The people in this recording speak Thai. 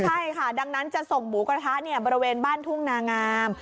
ใช่ค่ะดังนั้นจะส่งหมูกระทะบริเวณบ้านทุ่งนางาม